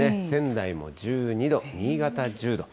仙台も１２度、新潟１０度。